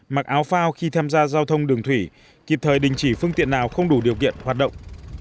mặc áo phao khi tham gia giao thông đường thủy kịp thời đình chỉ phương tiện nào không đủ điều kiện hoạt động